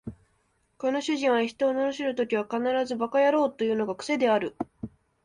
この主人は人を罵るときは必ず馬鹿野郎というのが癖である